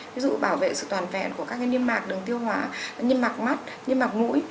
ví dụ bảo vệ sự toàn vẹn của các niêm mạc đường tiêu hóa niêm mạc mắt niêm mạc mũi